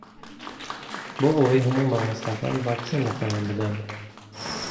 بۆ ئەوەی هەموو مامۆستاکان ڤاکسین لەخۆیان بدەن.